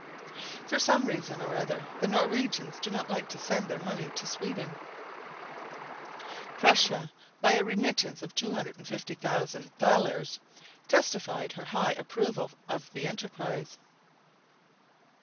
For some reason or other the Norwegians do not like to send their money to Sweden. Prussia, by a remittance of 250,000 thalers, testified her high approval of the enterprise.